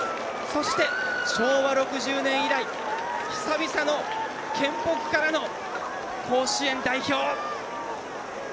そして、昭和６０年以来久々の県北からの甲子園代表！